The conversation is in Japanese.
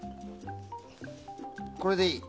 これでいい。